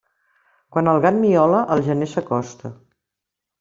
Quan el gat miola, el gener s'acosta.